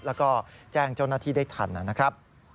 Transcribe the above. แล้วก็แจ้งเจ้าหน้าที่ได้ทันนะครับ